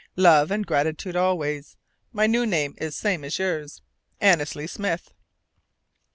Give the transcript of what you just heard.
Love and gratitude always. My new name is same as yours. Annesley Smith.